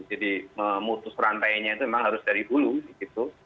jadi memutus rantainya itu memang harus dari dulu gitu